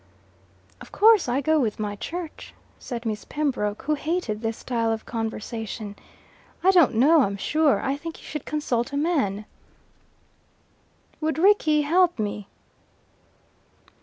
"Of course I go with my Church," said Miss Pembroke, who hated this style of conversation. "I don't know, I'm sure. I think you should consult a man." "Would Rickie help me?"